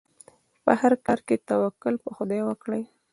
په هر کار کې توکل په خدای وکړئ.